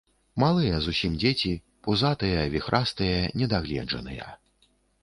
Малыя зусім дзеці, пузатыя, віхрастыя, недагледжаныя.